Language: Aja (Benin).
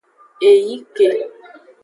Eyi ke.